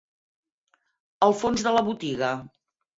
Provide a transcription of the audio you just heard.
El fons de la botiga.